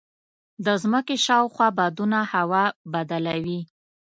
د ځمکې شاوخوا بادونه هوا بدله وي.